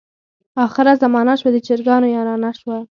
اخره زمانه شوه، د چرګانو یارانه شوه.